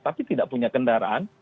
tapi tidak punya kendaraan